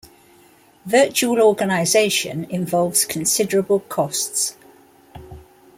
Virtual organization involves considerable costs.